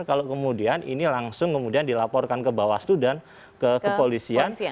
kalau kemudian ini langsung kemudian dilaporkan ke bawaslu dan ke kepolisian